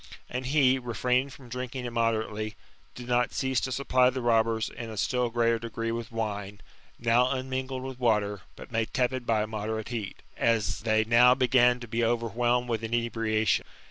And he, refraining from drinking immodetately, did not cease to supply the robbers in a stiU greater degree with wine, now unmingled with water, but made tepid by a moderate heat, as they now began to be overwhelmed with inebriation.